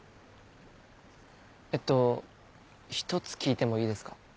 えっと１つ聞いてもいいですか？